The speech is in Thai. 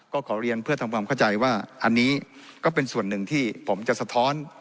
ก็ขอเรียนเพื่อทำความเข้าใจว่าอันนี้ก็เป็นส่วนหนึ่งที่ผมจะสะท้อน